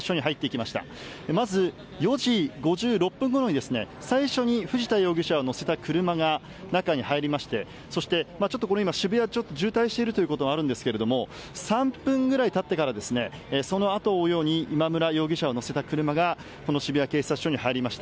まず４時５６分ごろに最初に藤田容疑者を乗せた車が中に入りまして渋谷、渋滞していることがあるんですが３分ぐらい経ってからそのあとを追うように今村容疑者を乗せた車が渋谷警察署に入りました。